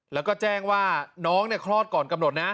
แล้วก็แจ้งว่าน้องคลอดก่อนกำหนดนะ